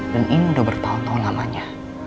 dan ini udah bertahun tahun lamanya